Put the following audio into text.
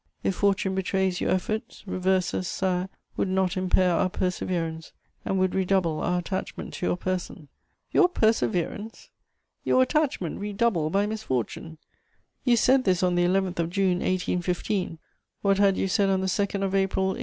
If fortune betrays your efforts, reverses, Sire, would not impair our perseverance and would redouble our attachment to your person." Your perseverance! Your attachment redoubled by misfortune! You said this on the 11th of June 1815: what had you said on the 2nd of April 1814?